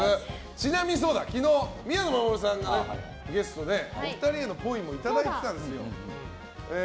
ちなみに、昨日宮野真守さんがゲストでお二人へのっぽいもいただいてたんですよ。